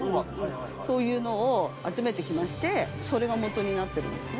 そういうのを集めてきましてそれがもとになってるんですね。